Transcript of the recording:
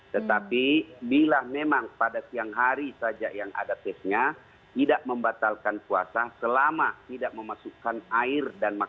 tetapi bila memang pada siang hari saja yang ada tesnya tidak membatalkan puasa selama tidak memasukkan air dan makanan